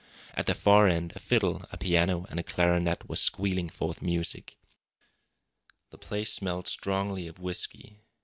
At the far end, a fiddle, a piano, and a clarinet were squealing forth music. The place smelled strongly of whisky.